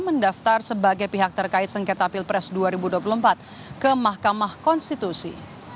mendaftar sebagai pihak terkait sengketa pilpres dua ribu dua puluh empat ke mahkamah konstitusi